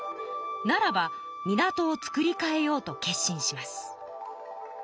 ならば港を造りかえようと決心します。